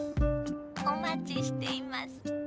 お待ちしています。